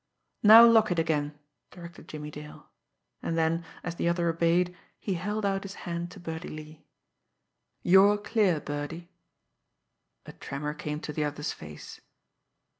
"Now lock it again," directed Jimmie Dale. And then, as the other obeyed, he held out his hand to Birdie Lee. "You're clear, Birdie." A tremor came to the other's face.